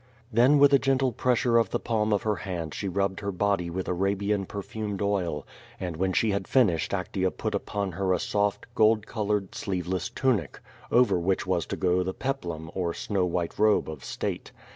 Then with a gentle pressure of the palm of her hand she nibbed her body with Arabian perfumed oil, and when she had finished Actea put upon her a soft, gold colored, sleeve less tunic, over which was to go the peplum, or snow white robe of Bttde.